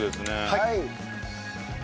はい。